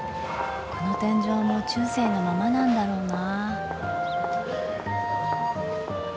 この天井も中世のままなんだろうなあ。